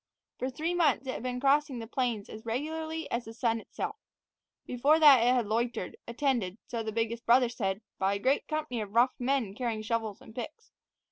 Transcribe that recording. For three months it had been crossing the plains as regularly as the sun itself. Before that it had loitered, attended, so the biggest brother said, by a great company of rough men carrying shovels and picks.